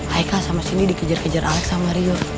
aika sama cindy dikejar kejar alex sama rio